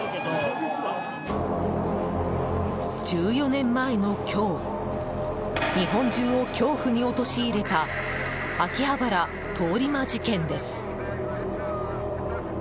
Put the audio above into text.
１４年前の今日日本中を恐怖に落とし入れた秋葉原通り魔事件です。